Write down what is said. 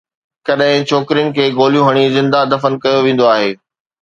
ڪڏهن ڇوڪرين کي گوليون هڻي زنده دفن ڪيو ويندو آهي